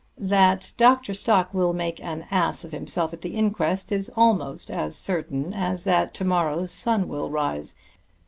That Dr. Stock will make an ass of himself at the inquest is almost as certain as that to morrow's sun will rise.